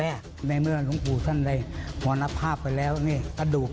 แล้วในเรื่องของวัตถุบงคลของท่านจะมีอะไรที่แบบเด่นบ้างนะคะ